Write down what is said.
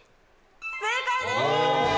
正解です。